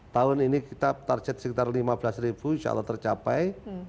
tahun ini kita target sekitar lima belas ribu insya allah tercapai